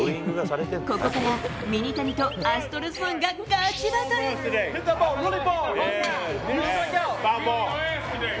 ここからミニタニとアストロズファンがガチバトル。